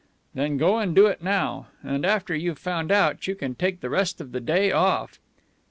"Then go and do it now. And, after you've found out, you can take the rest of the day off."